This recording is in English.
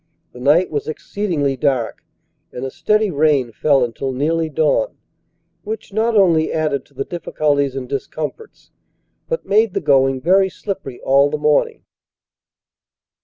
The night was exceedingly dark and a steady rain fell until nearly dawn, which not only added to the difficulties and discomforts, but made the going very slippery all the morning.